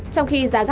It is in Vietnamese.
trong khi giá thịt bò